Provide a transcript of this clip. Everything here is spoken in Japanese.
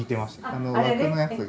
あの枠のやつが。